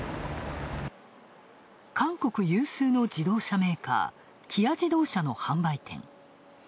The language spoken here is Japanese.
韓国有数の自動車メーカー、キア自動車の販売店。